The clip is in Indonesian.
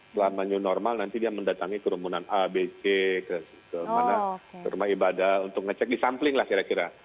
selama new normal nanti dia mendatangi kerumunan a b c ke rumah ibadah untuk ngecek di sampling lah kira kira